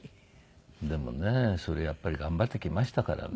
でもねそれやっぱり頑張ってきましたからね。